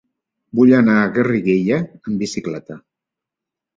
Vull anar a Garriguella amb bicicleta.